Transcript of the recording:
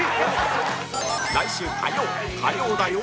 来週火曜火曜だよ！